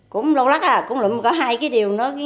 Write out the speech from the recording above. cũng lâu lắc à cũng lụm có hai cây điều nữa